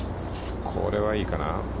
これはいいかな。